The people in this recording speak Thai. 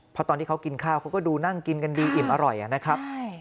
เพราะตอนที่เขากินข้าวเขาก็ดูนั่งกินกันดีอิ่มอร่อยนะครับ